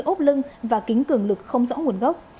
sáu trăm năm mươi ốp lưng và kính cường lực không rõ nguồn gốc